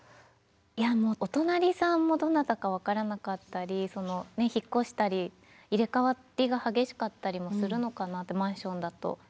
いやもうお隣さんもどなたか分からなかったり引っ越したり入れかわりが激しかったりもするのかなってマンションだと。